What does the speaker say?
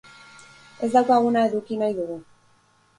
Ez daukaguna eduki nahi dugu.